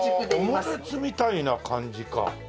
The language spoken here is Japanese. オムレツみたいな感じか。